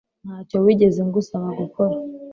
Ntacyo wigeze ngusaba gukora